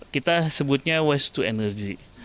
kita sebutnya waste to energy